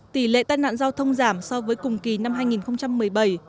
tỷ lệ tai nạn giao thông giảm so với cùng kỳ năm hai nghìn một mươi bảy